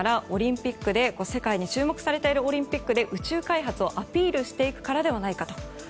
ですから、世界に注目されているオリンピックで宇宙開発をアピールしていくからではないかと。